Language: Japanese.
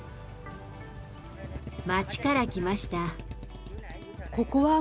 町から来ました。